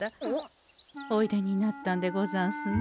おいでになったんでござんすね。